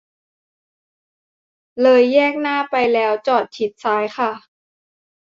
เลยแยกหน้าไปแล้วจอดชิดซ้ายค่ะ